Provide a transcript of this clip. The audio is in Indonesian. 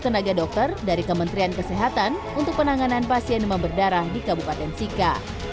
sebelumnya penyakit ini akan dikonsumsi oleh sebuah tenaga dokter dari kementrian kesehatan untuk penanganan pasien demam berdarah di kabupaten sika